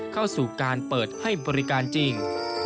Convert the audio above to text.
การเปิดให้บริการจริง